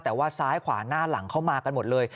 แต่ว่าซ้ายขวาหน้าหลังเข้ามากันหมดเลย